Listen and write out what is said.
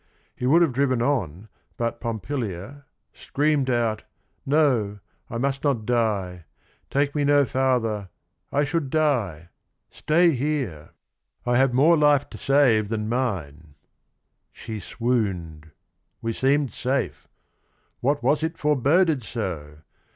He would have driven on but Pompilia " screamed out, 'No, I must not die ! Take me no farther, I should die : stay here I CAPONSACCHI 87 I have more life to save than mine 1 ' She swooned. We seemed safe: what was it foreboded so?